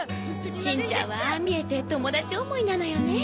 しんちゃんはああ見えて友達思いなのよね